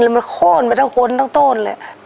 แล้วคอนไปต้องโค้นต้น